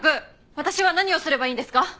私は何をすればいいんですか？